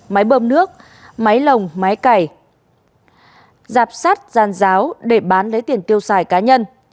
máy bơm nước máy lồng máy cải giạp sát gian giáo để bán lấy tiền tiêu xài cá nhân